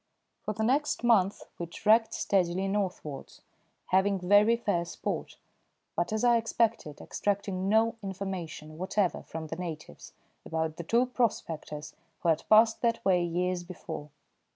For the next month we trekked steadily northwards, having very fair sport; but, as I expected, extracting no information whatever from the natives about the two prospectors who had passed that way years before.